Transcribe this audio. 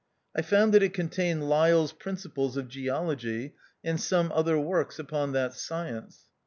I found that it contained LyelTs Principles of Geology, and some other works upon that science.